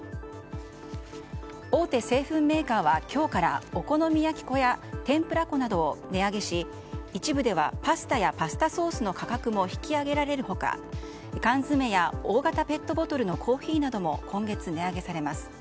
大手製粉メーカーは今日からお好み焼き粉や天ぷら粉などを値上げし一部ではパスタやパスタソースの価格も引き上げられる他缶詰や大型ペットボトルのコーヒーなども今月、値上げされます。